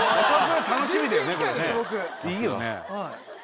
いいよね。